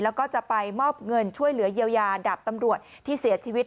แล้วก็จะไปมอบเงินช่วยเหลือเยียวยาดับตำรวจที่เสียชีวิต